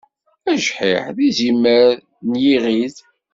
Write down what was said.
Ajḥiḥ d yizimer d yiɣid.